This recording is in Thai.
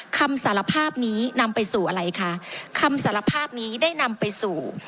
คำสารภาพนี้นำไปสู่อะไรคะคำสารภาพนี้ได้นำไปสู่